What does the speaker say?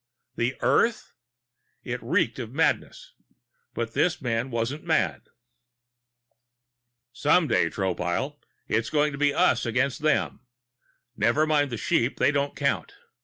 "The Earth?" It reeked of madness. But this man wasn't mad. "Some day, Tropile, it's going to be us against them. Never mind the sheep they don't count.